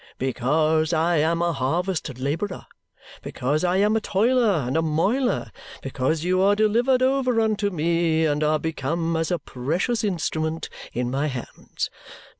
Because I am a harvest labourer, because I am a toiler and a moiler, because you are delivered over unto me and are become as a precious instrument in my hands.